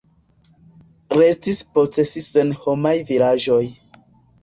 Restis post si senhomaj vilaĝoj.